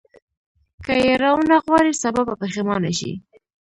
که یې راونه غواړې سبا به پښېمانه شې.